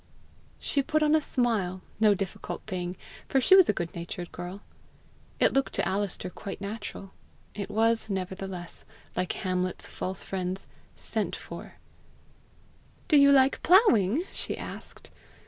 She put on a smile no difficult thing, for she was a good natured girl. It looked to Alister quite natural. It was nevertheless, like Hamlet's false friends, "sent for." "Do you like ploughing?" she asked.